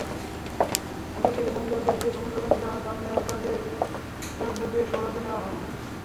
সাগর থেকে বন্দর জেটিতে সমুদ্রগামী জাহাজ আনা-নেওয়ার কাজে টাগবোটের সহায়তা নেওয়া হয়।